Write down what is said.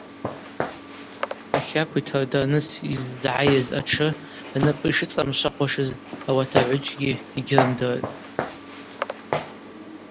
Ахакв йтырдарныс йыззгӏайыз атшы рнапӏы йшыцӏамшвахуашыз ауат агӏвыджгьи йыгьрымдыртӏ.